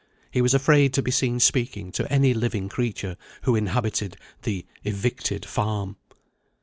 He was afraid to be seen speaking to any living creature who inhabited the "evicted farm."